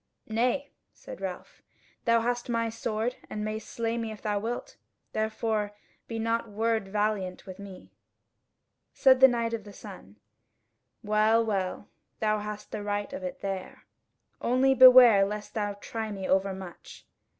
"Nay," said Ralph, "thou hast my sword, and mayst slay me if thou wilt; therefore be not word valiant with me." Said the Knight of the Sun: "Well, well, thou hast the right of it there. Only beware lest thou try me overmuch.